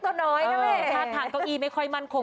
ทางก็๐๐๐ไม่ค่อยมั่นคง